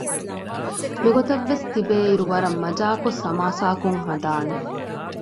މިގޮތަށްވެސް ތިބޭއިރު ވަރަށް މަޖާކޮށް ސަމާސާކޮށް ހަދާނެ